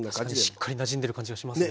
しっかりなじんでる感じがしますね。